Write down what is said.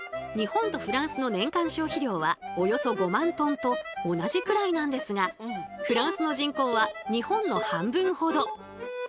日本とフランスの年間消費量はおよそ５万トンと同じくらいなんですがフランスの人口は日本の半分ほど。